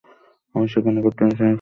আমি সেখানে খুব টেনশনে ছিলাম!